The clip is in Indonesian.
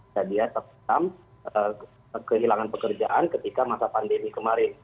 jadi tetap kehilangan pekerjaan ketika masa pandemi kemarin